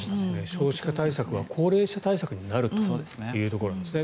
少子化対策は高齢者対策にもなるというところなんですね。